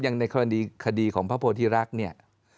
อย่างในคดีของพระโพธิรักษ์เนี่ย